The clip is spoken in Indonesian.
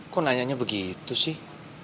kok nanyanya begitu sih